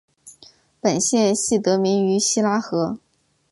本县系得名于希拉河。